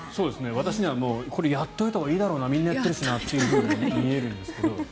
私には、これやっといたほうがいいだろうなみんなやってるしなって見えるんですけど。